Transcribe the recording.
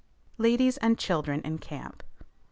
LADIES AND CHILDREN IN CAMP.